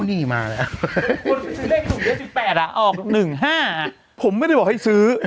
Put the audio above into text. คนไปซื้อเลขสูง๒๘อ่ะออก๑๕ผมไม่ได้บอกให้ซื้อ